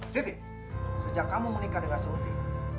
siti sejak kamu menikah dengan siti